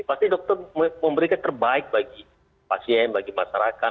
pasti dokter memberikan terbaik bagi pasien bagi masyarakat